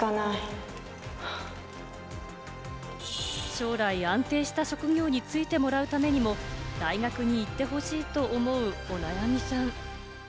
将来、安定した職業に就いてもらうためにも大学に行ってほしいと思うお悩みさん。